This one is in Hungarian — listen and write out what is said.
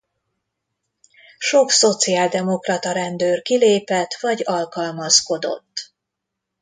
Sok szociáldemokrata rendőr kilépett vagy alkalmazkodott.